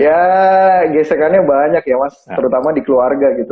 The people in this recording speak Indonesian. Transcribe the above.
ya gesekannya banyak ya mas terutama di keluarga gitu